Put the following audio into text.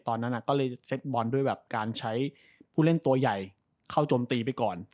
ตอนนั้นก็เลยเซ็ตบอลด้วยแบบการใช้ผู้เล่นตัวใหญ่เข้าโจมตีไปก่อน